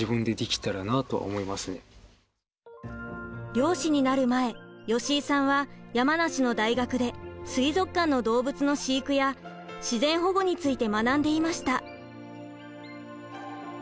漁師になる前吉井さんは山梨の大学で水族館の動物の飼育や自然保護について学んでいました。